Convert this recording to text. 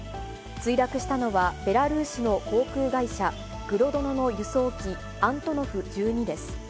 墜落したのは、ベラルーシの航空会社、グロドノの輸送機、アントノフ１２です。